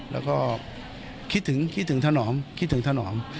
แล้วก็คิดถึงคิดถึงถนอมคิดถึงถนอม